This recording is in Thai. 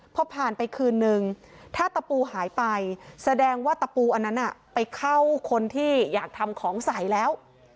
พอผ่านไปคืนนึงถ้าตะปูหายไปแสดงว่าตะปูอันนั้นไปเข้าคนที่อยากทำของใส่แล้ว